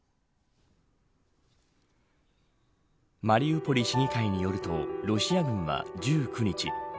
マリウポリ市議会によるとロシア軍は１９日